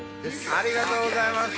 ありがとうございます！